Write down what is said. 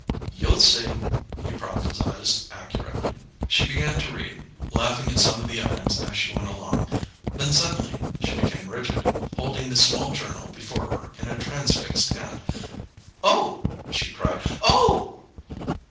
"You'll see!" he prophesied accurately. She began to read, laughing at some of the items as she went along; then suddenly she became rigid, holding the small journal before her in a transfixed hand. "Oh!" she cried. "_Oh!